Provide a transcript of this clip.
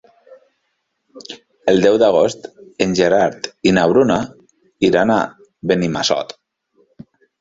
El deu d'agost en Gerard i na Bruna iran a Benimassot.